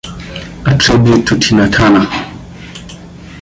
A Tribute To Tina Turner.